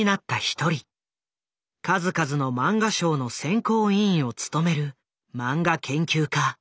数々のマンガ賞の選考委員を務めるマンガ研究家